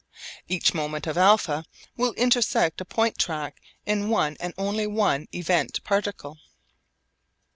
Each moment of α will intersect a point track in one and only one event particle.